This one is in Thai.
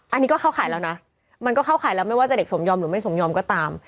อันนี้ก็เข้าข่ายแล้วนะมันก็เข้าข่ายแล้วไม่ว่าจะเด็กสมยอมหรือไม่สมยอมก็ตาม